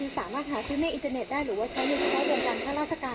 สามารถหาซื้อในอินเตอร์เน็ตได้หรือว่าชั้นอยู่ข้างเดียวกัน